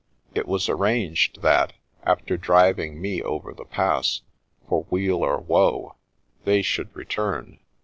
It was arranged that, after driving me over the Pass, for weal or woe, they should return.